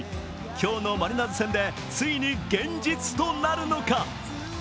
今日のマリナーズ戦でついに現実となるのか。